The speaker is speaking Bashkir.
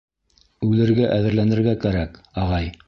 Үлергә әҙерләнергә кәрәк, ағай!